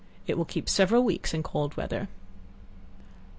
It will keep several weeks in cold weather.